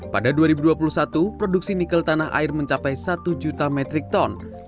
pada dua ribu dua puluh satu produksi nikel tanah air mencapai satu juta metrik ton